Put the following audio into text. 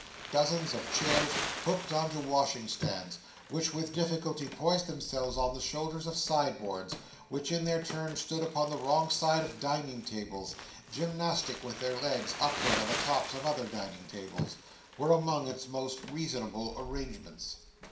Dozens of chairs hooked on to washing stands, which with difficulty poised themselves on the shoulders of sideboards, which in their turn stood upon the wrong side of dining tables, gymnastic with their legs upward on the tops of other dining tables, were among its most reasonable arrangements.